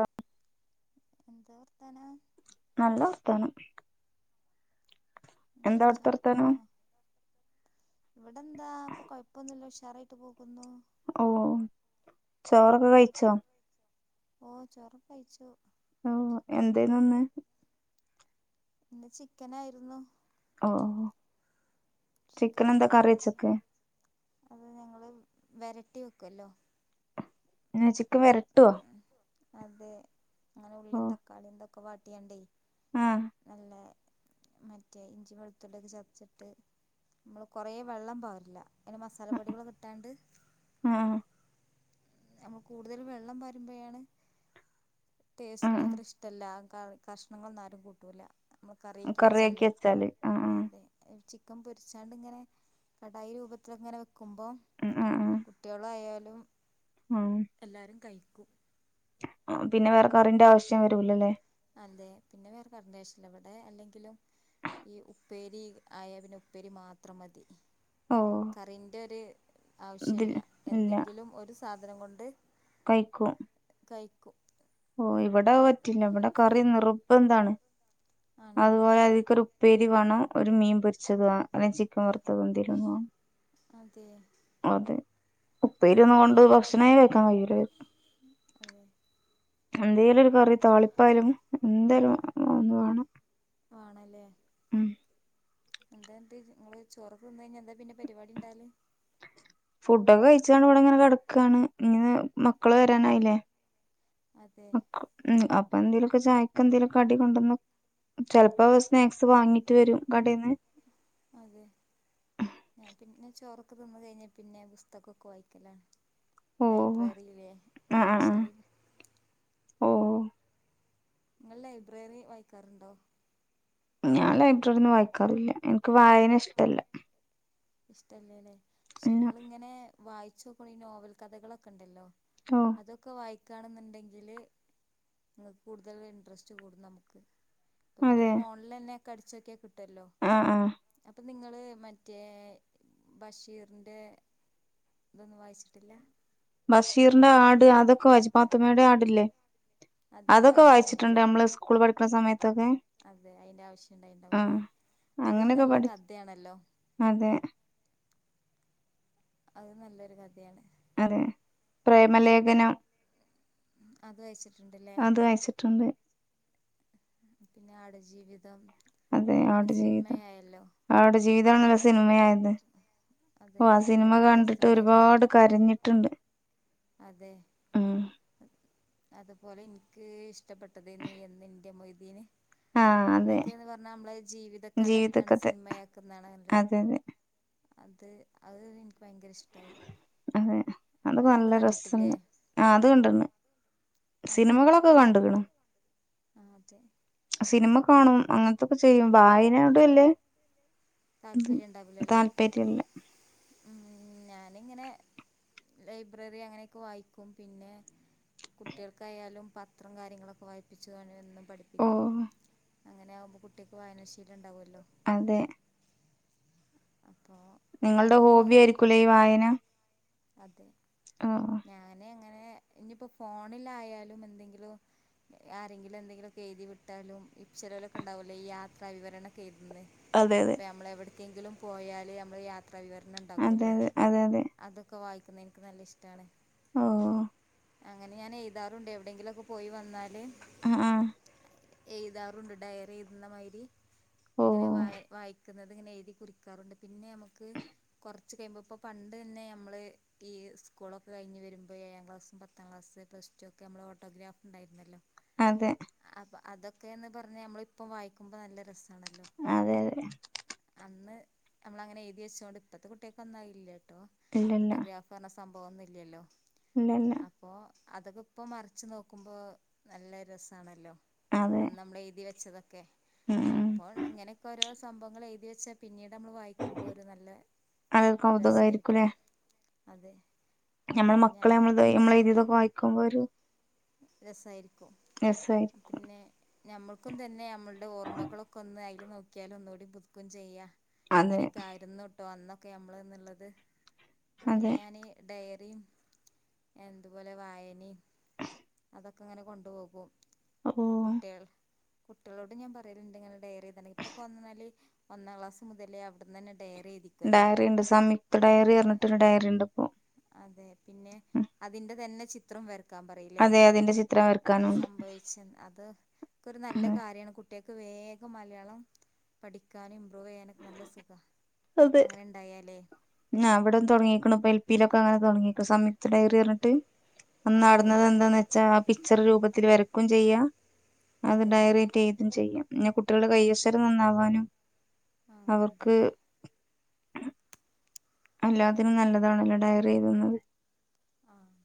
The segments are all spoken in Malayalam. ആഹ എന്താ വർത്താന നല്ല ഒത്താന എന്താ ചോറൊക്കെ അവിടെത്തെർത്താനോ തിന്നോ ഇവിടെ എന്താ ഇപ്പൊ കൊഴപ്പൊന്നുമല്ല ഉഷാറായിട്ട് പോകുന്നു ഓ ചോറൊക്കെ കഴിച്ചോ ഓ ചൊറു കഴിച്ചു ഓ എന്തേെന്നന്ന് എെ ചിക്കന ആായിരുന്നു ഓ ചിക്കൻ എന്താ കറി വച്ചൊക്കെ അത് ഞങ്ങള് വരട്ടി വെക്കല്ലോ എന്നെച്ചക്ക് വര അതെ അങ്ങനെ ഓ ഉള്ളിയും തക്കാളിയന്തൊക്കെ വാട്ടിയണ്ടേ ആഹ് നല്ല മറ്റേ ഇഞ്ചി വെളുത്തടെൊക്കെ ചതച്ചിട്ട് നമ്മള് കൊറെേ വെള്ളം പാവില്ല ഇെ മസാലപ്പൊടികള കിട്ടാണ്ട് ആഹ് നമ്മൾ കൂടുതൽ വെള്ളം വരുമ്പോഴാണ് ടേസ്റ്റ് അത്ര ആഹ് ഇഷ്ടല്ല കണങ്ങളൊന്നും ആരും കൂട്ടൂല നമ്മ കറിക്ക് കറിയാക്കി വെച്ചാലേ വെച്ചാല് ആഹ് ആഹ് അതെ ക്ക പൊരിച്ചാണ്ട് ഇങ്ങനെ കടായി രൂപത്തിങ്ങനെ വെക്കുമ്പോ ഉം ആഹ് ആഹ് കുട്ടികളയ എല്ലരും കഴിക്കും ആ പിന്നെ വേറെക്കറിന്റെ ആവശ്യം വരൂലല്ലേ അതെ പിന്നെ വേറെ കറേഷല്ല ഇവിടെ അല്ലെങ്കിലും ഈ ഉപ്പേരി ആയ പിന്നെ ഉപ്പേരി മാത്രം മതി ഓ കറിന്റെ ഒരു ഇതിൽ ആവശ്യമല്ല എന്തെങ്കിലും ഒരു സാധനം കൊണ്ട് വൈക്കും തൈക്കു [unintelligible] ഓ ഇവിടെ പറ്റില്ല ഇവിടെ കറി നിറുബന്താണ് ആണോ അതുപോലെ അധിക്കരു പേരി വേണോ ഒരു മീൻ പൊരിച്ചത് അല്ലെങ്കിൽ ചിക്കൻ വറുത്തതും തീരുന്ന അതെ അതെ ഉപ്പേയില ഒന്നും ഉം. കൊണ്ട് ഭക്ഷണമായി കേഴക്കാൻ കഴല്ല അതേ [unintelligible] എന്തെിലും ഒരു കറി താളിപ്പായാലും എന്തോലും ഒന്ന് വേണം ആണല്ലേ ഉം എന്താ എന്ത് നിങ്ങള് ചോറക്ക് നിന്ന കഴിഞ്ഞാ എന്താ പിന്നെ പരിപാടി ഉണ്ടാല് കുട്ടൊക്കെ കഴിച്ചണ്ട് ഇൂടെ ഇങ്ങനെ കിടക്കുകയാണ് ഇങ്ങനെ മക്കള് വരാനായില്ലേ അതെ [unintelligible] അപ്പ എന്തേലുമൊക്കെ ചായക്ക എന്തെേലൊക്ക അടി കൊണ്ടന്ന ചെപ്പോ സ്നാക്സ് വാങ്ങിട്ട് വരും കടേന്ന് അതെ ഞാൻ പിന്നെ ചോറക്ക തിന്ന കഴിഞ്ഞാൽ പിന്നെ പുസ്തകമൊക്കെ വായിക്കലാണ് ഓ ലൈബ്രറിയിലേ ആ ആ ആ വായനശാല ഓ നിങ്ങൾ ലൈബ്രറി വായിക്കാറുണ്ടോ ഞാൻ ലൈബ്രറിന്നന്ന് വായിക്കാറില്ല എനിക്ക് വായന ഇഷ്ടല്ല ഇഷ്ടല്ലേല്ലേ പക്ഷെ പിന്നെ നിങ്ങിങ്ങനെ വായിച്ചോക്ക ഈ നോവൽ കഥകളൊക്കെ ഉണ്ടല്ലോ ഓ അതൊക്കെ വായി ണണ്ടെങ്കില് കൂടുതൽ ഇന്ററസ്റ്റ് കൂടും നമുക്ക് അപ്പൊ പിന്നെ അതെ ഫോണിൽ തന്നെ അടിച്ചോക്കെ കിട്ടല്ലോ ആ ആ നിങ്ങള്ൾ മറ്റേ ബഷീറിന്റെ ഇതൊന്നും വായിച്ചിട്ടില്ല ബഷീറിന്റെ ആട് അതൊക്കെ വജിപ്പാത്തുമ്മയുടെ ആടില്ലേ അതെ അത് അതൊക്കെ വായിച്ചിട്ടുണ്ട് വായിച്ചിട്ടുണ്ടല്ലേ നമ്മള് സ്കൂൾ പഠിക്കണ സമയത്ത് അതെ അയിന്റെ ആ ആവശ്യംണ്ടായിണ്ടാവുംല്ലേ അങ്ങനെയൊക്കെ പഠ അതെ അത് നല്ലൊരു കഥയാണ് അതെ പ്രേമലേഖനം അത് വായിച്ചിട്ടുണ്ടല്ലേ അത് വായിച്ചിട്ടുണ്ട് പിന്നെ ആടെ ജീവിതം അതെ ആട് ജീവിതം ആട് ജീവിതണല്ല സിനിമയായത് അതെ ഓ ആ അത് നല്ല സിനിമ കണ്ടിട്ട് രസണ്ടായിരുന്നല്ലോ ഒരുപാട് കരഞ്ഞിട്ടുണ്ട് അതെ ഉം അതുപോലെ എനിക്ക് ഇഷ ഇഷ്ടപ്പെട്ടത് ന എന്ന് എറെ മൊയ്തീന് ആ അതെ അതൊക്കെന്ന് പറഞ്ഞ നമ്മളെ ജീവിതക്ക അത എടുത്താണ്ട് ജീവിതക്കഥ സിനിമയാക്കുന്നാണല്ലോ അതെ അതെ അത് അത് എനിക്ക് ഭയങ്കര ഇഷ്ടായി അതെ അതൊക്കെ അത് ഇങ്ങള് നല്ല രസല്ല കണ്ടിട്ടില്ലേ ആ അത് കണ്ടന്ന് സിനിമകളൊക്കെ കണ്ട കണം ആത സിനിമ കാണും അങ്ങനത്തൊക്കെ ചെയ്യും ഭായനോട അല്ലേ ഇത് താല്പര്യം ഉണ്ടാവൂലല്ലേ താല്പര്യല്ല ഞാനിങ്ങനെ ലൈബ്രറി അങ്ങനെയൊക്കെ വായിക്കും പിന്നെ കുട്ടികൾക്കായാലും പത്രം കാര്യങ്ങളൊക്കെ വായിപ്പിച്ചുും ഓ പഠിപ്പിക്കും അങ്ങനെ ആകുമ്പോ കുട്ടിക്ക് വായനാശീൽ ഉണ്ടാവുംലോ അതെ അപ്പോൾ നിങ്ങളുടെ നിങ്ങളും ഹോബി നോക്കി ആയിരിക്കൂല്ലേ വായന അതെ ഓ ഞാനെ എങ്ങനെ ഇനിയിപ്പോ ഫോണിലായാലും എന്തെങ്കിലും- ആരെങ്കിലും എന്തെങ്കിലുയൊക്കെ എഴുതി വിട്ടാലും ഈ ചെലവരൊക്ക ഉണ്ടാവല്ലേ യാത്ര വിവരണൊക്കെ- എുതി അതെ അതെ എങ്കിലും പോയാല് നമ്മള് യാത്രാവിവരണം അതെ ഉണ്ടാക്കുല്ലോ അതെ അതെ അതെ അത് ഒക്കെ വായിക്കുന്ന എനിക്ക് നല്ല ഇഷ്ട്ടാണ്. ഓ അങ്ങനെ ഞാൻ എഴുതാറുണ്ട്. എവിടെയെങ്കിലും ഒക്കെ പോയി വന്നാല് ആഹ എഴുതാറുണ്ട് ഡയറി എഴുതുന്ന മാതിരി ഓ ഇങ്ങനെ വ വായി ക്കുന്നത് ഇങ്ങനെ എഴുതി കുറിക്കാറുണ്ട് പിന്നെ നമുക്ക് കുറച്ച് കഴിയുമ്പോ ഇപ്പ പണ്ട് തന്നെ [unintelligible] നമ്മള് ഈ സ്കൂളൊക്കെ കഴിഞ്ഞ് വരുമ്പയെ ഏഴാം ക്ലാസും, പത്താം ക്ലാസ്, പ്ലസ് ടു, ഒക്കെ നമ്മ ഓട്ടോഗ്രാഫ് ഉണ്ടായിരുന്നല്ലോ. അതെ. ക്കന്ന് പറഞ്ഞ ഞമ്മളിപ്പം വായിക്കുമ്പോ നല്ല രസം അതെ അതെ നമ്മള അങ്ങനെ എഴതി വച്ചോണ്ട് ഇപ്പഴത്തെ കുട്ട്യാക്കൊന്നും അത് ഇല്ല്യാട്ടോ ഓട്ടോഗ്രാഫ് പറഞ്ഞ സംഭവം ഒന്നും ഇല്ലല്ലോ? ഇന്നന്നെ അപ്പോ അതൊക്കെ ഇപ്പ മറിച്ച് നോക്കുമ്പോ നല്ല രസാണല്ലോ അതെ അന്ന് നമ്മൾ എഴുതി വെച്ചത്. ക്കെ ഉം ഉം അപ്പോൾ ഇങ്ങനെയൊക്കെ ഓരോ സംഭവങ്ങൾ എഴുതി വെച്ചാ പിന്നീ നമ്മൾ വായിക്കുമ്പോൾ ഒരു നല്ല അതൊരു രസമായിരിക്കും അത് നമ്മൾ അപ്പൊ ഞാൻ മക്കളെ നമ്മള് നമ്മളെ എഴതിതൊക്കെ വായിക്കുമ്പോ ഒരു രസായിരിക്കും രസായി പിന്നെ ഞമ്മൾക്കും തന്നെ നമ്മളുടെ ഓർമ്മകളൊക്കെ ഒന്ന് അയി നോക്കിയല് ഒന്കൂടി പുതുക്കും ചെയ്യാ. അതെ ഇങ്ങനെയൊക്കെ ആയിരുന്നു അന്നൊക്കെ നമ്മളെന്നുള്ളത്, അങ്ങനെ അതെ ഞാന് ഡയ എന്തുപോലെ വായനയും [unintelligible] അതൊക്കെ ഇങ്ങനെ കൊണ്ടുപോകും. ഓ കുട്ടികൾ കുട്ടികളോടും ഞാൻ പറയലുണ്ട് ഇങ്ങനെ ഡയറിഎഴുതണം. ഇപ്പൊകൊന്നന്നാല് ഒന്നാം ക്ലാസ് മുതലേ അവിടന്നന്നെ ഡയറി ഉണ്ട് സംയുക്ത ഡയറി അതെ എന്നുപറഞ്ഞിട്ട് ഒരു ഡയറി ഉണ്ട് ഇപ്പോ അതെ. പിന്നെ ഉം. അതിന്റെ തന്നെ ചിത്രം വരക്കാൻ പറയില്ലേ? അതെ അതിന്റെ ചിത്രം എന്ത് വരക്കാനുണ്ട് സംഭവിച്ചേന്ന് അതൊക്കെ ഒരു നല്ല അതെ കാര്യമാണ് കുട്ട കുട്ടിയക്ക് വേഗം മലയാളം പഠിക്കാനും ഇമ്പ്രൂവ് ചെയ്യാനും അതെ ആ അവിട തുടങ്ങിക്കണ് പ്പിലൊക്കെ അങ്ങനെ തുടങ്ങി സംയുക്ത ഡയറിറഞ്ഞിട്ട് അതെ നടന്നത് എന്താന്ന് വെച്ചാ പിക്ചർ രൂപത്തിൽ വരക്കുകയും ചെയ്യാം അത് അതെ ഡയറി ചെയ്തും [unintelligible] ചെയ്യാം പിന്നെ കുട്ടികളുടെ അ കൈയക്ഷരം നന്നാവാനും ആ അതെ അവർക്ക് എല്ലാത്തിനും നല്ലതാണല്ലോ ഡയറി എഴുതുന്നത് ആഹ്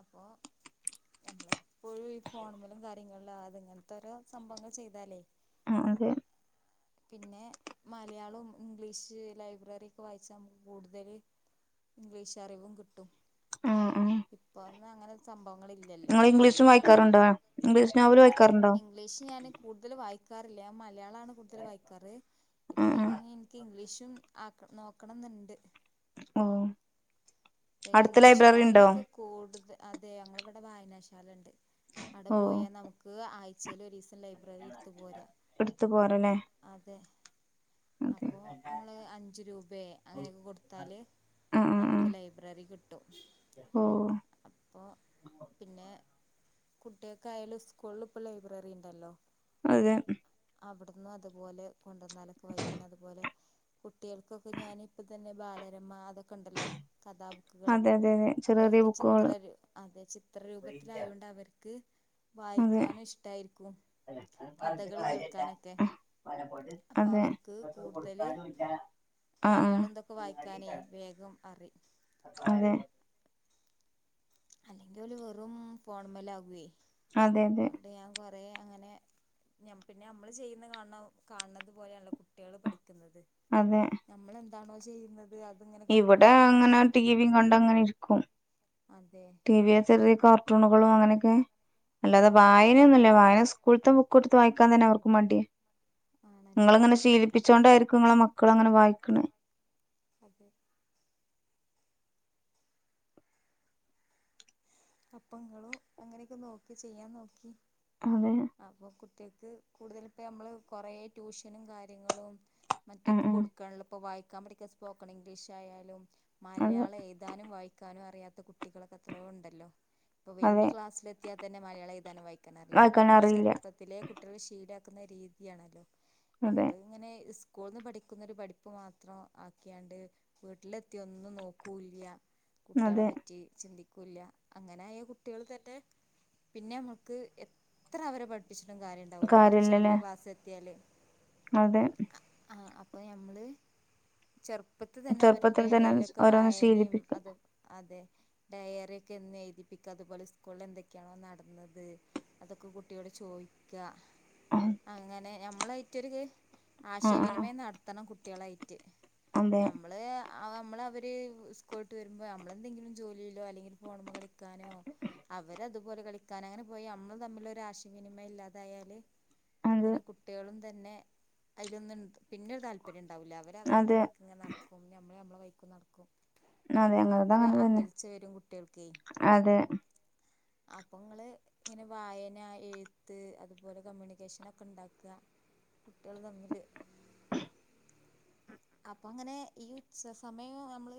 അപ്പോ നമ്മള പ്പോഴും ഈ ഫോൺമലും കാര്യങ്ങളിലാ അത് ഇങ്ങനത്തെരോ സംഭവങ്ങൾ ചെയ്താലേ ആ അതെ. പിന്നെ മലയാളം ഇംഗ്ലീഷ് ലൈബ്രറി ഒക്കെ വായിച്ച മുക്ക് കൂടുതൽ ഇംഗ്ലീഷ് അറിവും കിട്ടും. ആഹ് ആഹ് ഇപ്പൊന്നും അങ്ങനെ സംഭവങ്ങൾ ഇല്ലല്ലോ. നിങ്ങൾ ഇംഗ്ലീഷും വായിക്കാറുണ്ടോ [unintelligible] ഇംഗ്ലീഷ് ഞാന് കൂടുതൽ വായിക്കാറില്ല. മ മലയാളാണ് കൂടുതല് വായിക്കാറ്. ആഹ് ഇപ്പൊ ആഹ് ഇനി എനിക്ക് ഇംഗ്ലീഷ് ചും ആ നോക്കണം എന്നുണ്ട് മ്മ് ഇപ്പൊ ഇംഗ്ലീഷ് നോവലൊക്കെ കൂടുത അതെ ഞങ്ങളവിട വായനാശാലൊണ്ട്. അവിടെ ഓഹ് പോയാ നമുക്ക് ആയ്ചെൽ ഒരുസം ലൈബ്രറി ഇട്ത്ത് പോരാ എടുത്തു പോരല്ലേ അതെ അതെ അപ്പോ നമ്മള് അഞ്ച് രൂപെ അങ്ങനെക്കെ കൊടുത്താല് ആഹ് ആഹ് നമുക്ക് ആഹ് ലൈ ബ്രറി കിട്ടും ഓഹ് അപ്പോ പിന്നെ- കുട്ടികൾക്കായാലും സ്കൂളില് ഇപ്പ ലൈബ്രറി ഇണ്ടല്ലോ അതെ അവിട്ന്ന് അതുപോലെ കൊണ്ടന്നാലൊക്കെ വായിക്കും പിന്നെ അതുപോലെ കുട്ടികൾക്കൊക്കെ ഞാന്പ്പതന്നെ ബാലരമ അതൊക്കെണ്ടല്ലോ കഥാബുക്ക്കള് അതെ അതെ അതെ ചെറിയ ചെറിയ അതെക്കെ ബുക്കുകള് ചിത്രരു അതെ ചിത്രരൂപത്തിലായൊണ്ട് അവർക്ക് അതെ വായിക്കാനും ഇഷ്ടായിരിക്കും കഥകള് കേൾക്കാനൊക്കെ പലപ്പൊട് അപ്പോൾ അതെ ഓൽക്ക് കൊടുക്കാനുല്ല മലയാളും ന്തൊക്കെ വായിക്കാനേ വേഗം അറിം അതെ അല്ലെങ്കി ഓല് വെറും ഫോണ് മ്മലാകെ അതെ അതെ തേ അങ്ങനെ ഞ്ഞം പിന്നെ അമ്മള് ചെയ്യ്ന്നെ കാൻണം കാണ് ണത് പോലെണല്ലോ കുട്ട്യേള് പഠി ക്ക്ന്നത് അതെ നമ്മളെന്താണോ ചെയ്യ്ന്നത് അത് ഇവിടെ അങ്ങനെ ടിവിം കണ്ടങ്ങനെ ഇരിക്കും അതെ ടിവി ചെറിയ കാർ ട്ടുണുകളും അങ്ങനെക്കെ ആ അല്ലാതെ അതെ വായനന്നുല്ല വായന സ്കൂൾത്തെ ബു ക്ക്‌ട്ത്ത് വായിക്കാൻ തന്നെ അവർക്ക് മട്യാ ഇങ്ങള് ആണല്ലേ ഇങ്ങനെ ശീലിപ്പിച്ചോണ്ടായിരിക്കും ഇങ്ങളെ മ ക്കള് അങ്ങനെ വായിക്ക്ണെ അതെ അപ്പങ്ങളും അങ്ങനെക്കെ നോക്കി ചെയ്യാൻ നോക്കി അതെ അപ്പൊ കുട്ട്യാ ക്ക് കൂട്തല് ഇപ്പ നമ്മള് കൊറെ ട്യൂഷനും കാര്യങ്ങളും ഉം ഒറ്റക്ക് ഉം കൊട്കാണല്ലൊ ഇപ്പ വായിക്കാൻ പടിക്കാൻ സ്പോക്കൺ ഇംഗ്ലീഷ് ആയാലും അതെ മലയാളം എഴുതാനും വായിക്കാനും അറിയാത്ത കുട്ടികളെക്കെ എത്രോ ണ്ടല്ലോ ഇപ്പൊ അതെ വല്ല്യാ ക്ലാസിലെത്തിയാ തന്നെ മലയാളം എഴുതാനും വായിക്കാനും അറീല അതൊക്കെ വായിക്കാൻ നമ്മള് അറിയില്ല ചെറുപ്പത്തിലെ കുട്ട്യാളെ ശീല ക്ക്ന്ന രീതിയാണല്ലോ അതെ നമ്മള് ഇങ്ങനെ സ് സ്കൂൾന്ന് പഠിക്കുന്നൊരു പഠിപ്പ് മാത്രം ആക്കിയാണ്ട് വീട്ടിലെത്തിയാ ഒന്നും നോക്കൂല്ല്യ കുട്ട്യാളെ അതെ പറ്റി ചിന്തിക്കുല്ല അങ്ങനായ കുട്ട്യേള്തന്നെ പിന്നെമ്മക്ക് എത്ര അവരെ പട് പ്പിച്ചിട്ടും കാര്യണ്ടാവുല. കൊർച്ച് കാര്യല്ലല്ലേ വല്യ ക്ലാസ് എത്തിയാല്. അതെ. ആ അപ്പം നമ്മള് ചെർ പ്പത്ത് തന്നെ ചെറുപ്പത്തിൽ അവര്ടെ തന്നെ ഇടേലൊക്കെ ഓരോന്ന് വായനിം ശീലിപ്പിക്ക അത് അതെ ഡയറി ക്കെ എന്നു എഴുതിപ്പിക്ക. അതുപോലെ സ്കൂൾല് എന്തൊക്കെയാണോ നടന്നത് അതൊക്കെ കുട്ടിയോട് ചോദിക്ക ആ അങ്ങനെ നമ്മളായിറ്റൊരു ക് ആ ആശയവിനിമയം നടത്തണം കുട്ട്യാളായിട്ട്. അതെ നമ്മള് നമ്മള് അവര് സ്കൂൾട്ട് വരുമ്പോ നമ്മള എന്തെങ്കിലും ജോലിയിലൊ അല്ലെങ്കില് ഫോണ്മ്മ കളിക്കാനോ അവരതുപോലെ കളിക്കാന് അങ്ങനെ പോയി നമ്മള് തമ്മില് ഒരാശയവിനിമയ ഇല്ലാതായാല് അത് ഇങ്ങനെ കുട്ട്യാളും തന്നെ അയ്‌ലൊന്ന് പിന്നൊരു താല്പര്യണ്ടാവുല. അവര് അവര്ടെ അതെ വൈക്ക്ങ്ങ നട്ക്കും. നമ്മള് നമ്മളെ വൈക്കും നട്ക്കും. അതെ ഞങ്ങളത് അങ്ങനെയാവുമ്പൊരു അങ്ങനെ തന്നെ അകൽച്ച വരും കുട്ടിൾ അതെ. അപ്പൊങ്ങള് ഇങ്ങനെ വായന, എഴുത്ത് അതുപോലെ കമ്മ്യൂണിക്കേഷനൊക്കെ ണ്ടാക്ക. കുട്ട്യള് തമ്മില് അപ്പൊങ്ങനെ ഈ ഉച്ച സമയം അ മ്മള്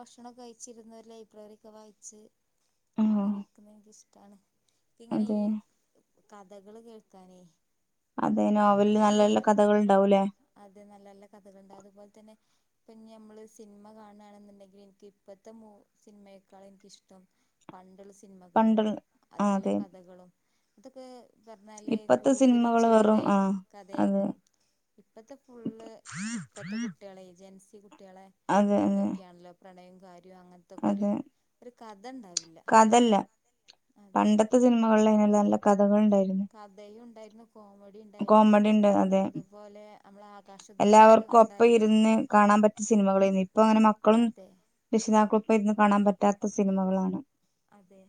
ഭക്ഷണക്കെ കഴിച്ചിര്ന്ന് ഒരു ലൈബ്രറിക്കെ വായിച്ച് ഉം അങ്ങനെ ഇര്ക്കുന്ന ഇൻക്കിഷ്ടാണ്. ഇക്ക് ഇങ്ങനെ അതെ ഈ കഥകള് കേൾക്കാനേ അതെ നോവല്ല് നല്ല അതെ നല്ല കഥകൾണ്ടാവൂലെ? [inaudible] ഇപ്പ ഞ്ഞ് നമ്മള് സിൻമ കാണണെന്നുണ്ടെങ്കിൽ ഇൻക്ക് ഇപ്പത്തെ മൂ സിൻമയെക്കാൾ എനിക്കിഷ്ടം പണ്ട്ള്ള സി സിൻമകളും പണ്ടുള്ള ആ അതിലെ അതെ കഥകളും അതൊക്കെ ക്കെർഞ്ഞാല് ഇപ്പത്തെ കൂടുതലും സിനിമകള് ജീവിത വെറും ആ അതെ കഥയാര്ക്കും. ഇപ്പത്തെ ഫുള്ള് ഇപ്പത്തെ കുട്ട്യേളെ ജൻസി കുട്ട്യേളെ അതെ അതെ ഇതൊക്കെയാണല്ലോ പ്രണയം കാര്യ അങ്ങൻത്തൊക്കൊരു അതെ ഒരു കഥണ്ടാ കഥല്ല. പണ്ടത്തെ സിനിമകളിലേന്യല്ലോ നല്ല കഥകൾ ഉണ്ടായിരുന്നു കഥയും ഉണ്ടായിരുന്നു കോമഡി ഉണ്ടായിരുന്നു. കോമഡി ഉണ്ട് അതെ അതുപോലെ അമ്മളെ ആകാശ എല്ലാവർക്കും ഒപ്പം ഇരുന്ന് കാണാൻ പറ്റി സിനിമകളേനി. ഇപ്പൊ അങ്ങനെ മക്കളും അതെ രക്ഷിതാകൊപ്പം ഇര്ന്ന് കാണാൻ പറ്റാത്ത സിനിമകളാണ്. അതെ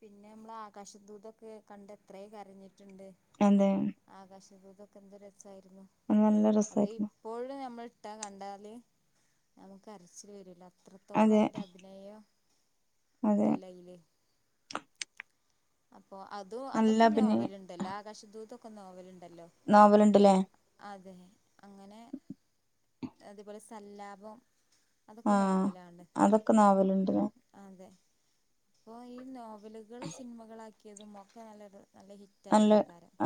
പിന്നെ അമ്മളെ ആകാശദൂതൊക്കെ കണ്ട് എത്രേ കരഞ്ഞി ഇണ്ട്. അതെ ആകാശദൂതൊക്കെ എന്ത രസായിരുന്നു. അത് നല്ല അത് രസായിരുന്നു ഇപ്പോഴും ഞമ്മൾട്ടാ കണ്ടാല് നമുക്ക് അര്ച്ചില് വരൂലേ. അത്രത്തോളം അതെ അയിന്റെ അഭിനയം അതെ ഉണ്ടല്ല അയ്ല് അപ്പൊ അതു നല്ല അതൊക്കെ അഭിനയ നോവല് ഇണ്ടല്ലോ. ആകാശദൂതൊക്കെ നോവല് ണ്ടല്ലോ. നോവലുണ്ടല്ലേ അതെ അങ്ങനെ അതുപോലെ സല്ലാപം അതൊക്കെ ആഹ് നോവലാണ് അതൊക്കെ നോവലുണ്ട് ലെ അപ്പൊ ഈ നോവലുകള് സിനിമകളാക്കിയതും ഒക്കെ നല്ല ര നല്ല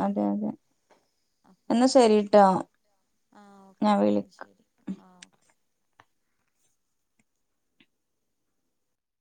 അതെ അതെ അപ്പോ എന്നാ ശരിട്ടോ ആഹ് ഓക്കേ ഞാൻ എന്നാ വിളി ശരി ആഹ് ഓക്കേ